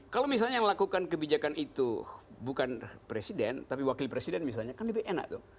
kalau misalnya yang lakukan kebijakan itu bukan presiden tapi wakil presiden misalnya kan lebih enak tuh